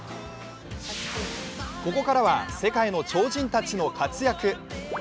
ここからは世界の超人たちの活躍。